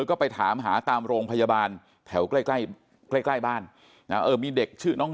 ก็ไปถามหาตามโรงพยาบาลแถวใกล้ใกล้บ้านมีเด็กชื่อน้อง